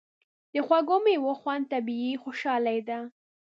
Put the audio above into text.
د خوږو میوو خوند طبیعي خوشالي ده.